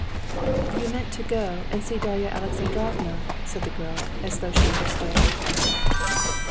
"You meant to go and see Darya Alexandrovna," said the girl, as though she understood.